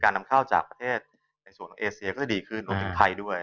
นำเข้าจากประเทศในส่วนของเอเซียก็จะดีขึ้นรวมถึงไทยด้วย